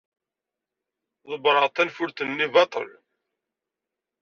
Ḍebbreɣ-d tanfult-nni baṭel.